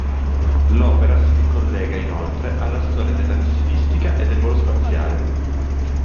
L'opera si ricollega inoltre alla storia della missilistica e del volo spaziale.